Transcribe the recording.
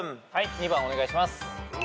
２番お願いします。